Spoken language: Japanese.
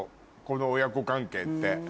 この親子関係って。